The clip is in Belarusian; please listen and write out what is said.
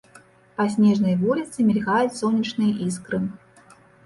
Па снежнай вуліцы мільгаюць сонечныя іскры.